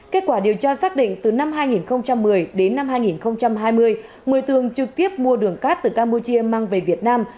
kết quả điều tra xác định từ năm hai nghìn một mươi đến năm hai nghìn hai mươi người thường trực tiếp mua đường cát từ campuchia mang về việt nam